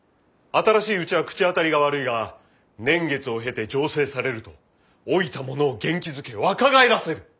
新しいうちは口当たりが悪いが年月を経て醸成されると老いた者を元気づけ若返らせる」。